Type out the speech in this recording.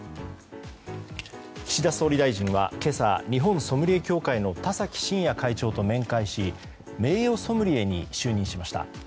岸田総理大臣は今朝日本ソムリエ協会の田崎真也会長と面会し名誉ソムリエに就任しました。